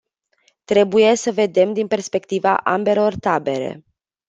Trebuie să vedem din perspectiva ambelor tabere.